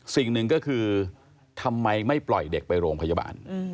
สิ่งหนึ่งก็คือทำไมไม่ปล่อยเด็กไปโรงพยาบาล